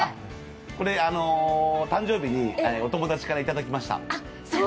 これ誕生日にお友達からいただきました。